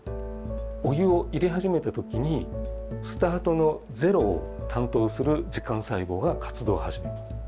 お湯を入れ始めた時にスタートのゼロを担当する時間細胞が活動を始めます。